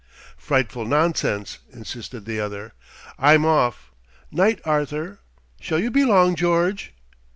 "Frightful nonsense," insisted the other. "I'm off. 'Night, Arthur. Shall you be long, George?"